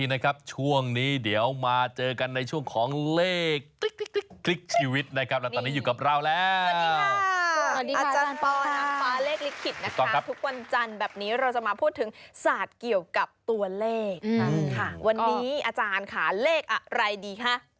สวัสดีอาจารย์ปอนางฟ้าเลขลิขิตนะครับทุกวันจันทร์แบบนี้เราจะมาพูดถึงศาสตร์เกี่ยวกับตัวเลขค่ะวันนี้อาจารย์ค่ะเลขอะไรดีคะ